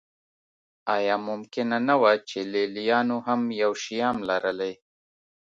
ایا ممکنه نه وه چې لېلیانو هم یو شیام لرلی.